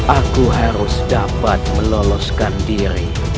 aku harus dapat meloloskan diri